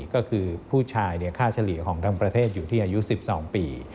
ก็คือผู้ชายค่าเฉลี่ยของทั้งประเทศอยู่ที่อายุ๑๒ปี